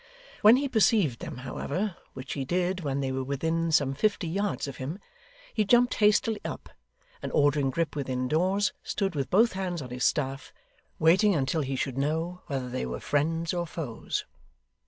When he perceived them, however, which he did when they were within some fifty yards of him, he jumped hastily up, and ordering Grip within doors, stood with both hands on his staff, waiting until he should know whether they were friends or foes.